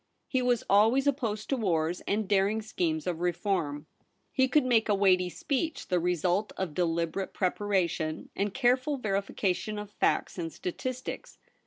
He was always opposed to wars and daring schemes of re form. He could make a weighty speech, the result of deliberate preparation and careful verification of facts and statistics.